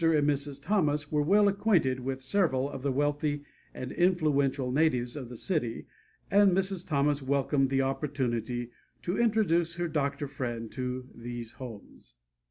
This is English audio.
and Mrs. Thomas were well acquainted with several of the wealthy and influential natives of the city, and Mrs. Thomas welcomed the opportunity to introduce her doctor friend to these homes.